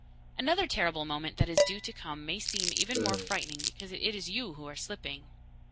Another terrible moment that is due to come may seem even more frightening because it is you who are slipping.